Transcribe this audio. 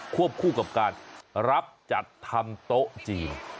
วบคู่กับการรับจัดทำโต๊ะจีน